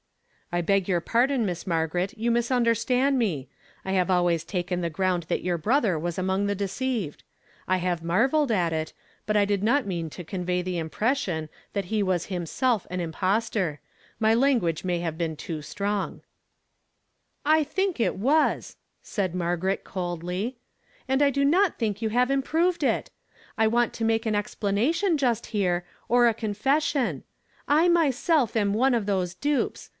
"I beg your pardon. Miss Margaret, you mis understood me. I have always taken the ground that your brother was among the deceived. I "THEREFORE WILL NOT WE FEAR." 349 have marvelled at it, but I did not mean to con vey the impression that he was himself an impos tor. My language may have been too strono "" I tlnnk it was," said Margaret eoldly. And I do not think you have improved it I want to make an explanation just here, or a con lession. I myself am one of those dupes.